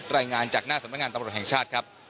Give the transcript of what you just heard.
รายงานจากหน้าสำนักงานตำรวจแห่งชาติครับ